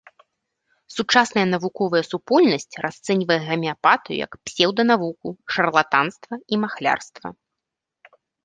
Сучасная навуковая супольнасць расцэньвае гамеапатыю як псеўданавуку, шарлатанства і махлярства.